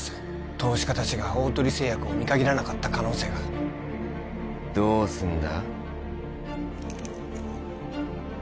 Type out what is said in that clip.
投資家達が大鳥製薬を見限らなかった可能性がどうすんだ？